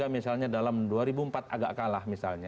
misalnya dalam dua ribu empat agak kalah misalnya